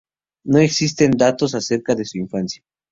No existen datos acerca de su infancia.